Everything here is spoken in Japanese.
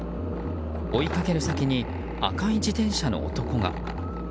追いかける先に赤い自転車の男が。